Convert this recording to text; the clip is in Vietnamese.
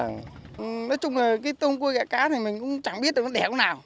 nói chung là cái tôm cua gạ cá thì mình cũng chẳng biết được nó đẻ có nào